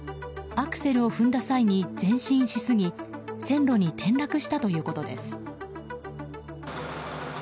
アクセルを踏んだ際に前進しすぎ線路に転落したということです。